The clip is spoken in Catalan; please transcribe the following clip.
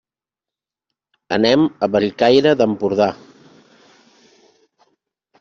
Anem a Bellcaire d'Empordà.